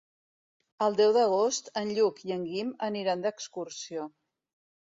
El deu d'agost en Lluc i en Guim aniran d'excursió.